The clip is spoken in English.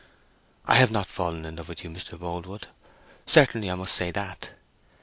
"I have not fallen in love with you, Mr. Boldwood—certainly I must say that."